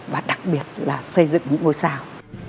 và đặc biệt là xây dựng những ngôi sao